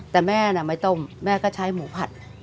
แต่แม่น่ะไม่ต้มแม่ก็ใช้หมูผัด